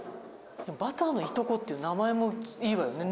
でも「バターのいとこ」っていう名前もいいわよね。